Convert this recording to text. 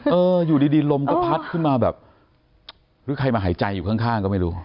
เอออยู่ดีลมก็พัดขึ้นมาแบบหรือใครมาหายใจอยู่ข้างก็ไม่รู้